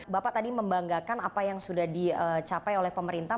bapak tadi membanggakan apa yang sudah dicapai oleh pemerintah